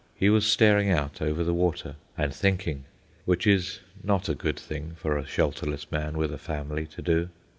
He was staring out over the water and thinking, which is not a good thing for a shelterless man with a family to do.